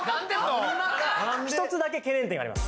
１つだけ懸念点があります